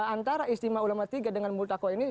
antara istimah ulama tiga dengan multakoh ini